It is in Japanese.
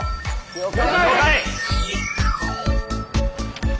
了解！